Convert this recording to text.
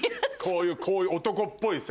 こういう男っぽいさ。